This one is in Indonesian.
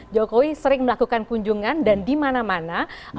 jokowi sering melakukan kunjungan dan di mana mana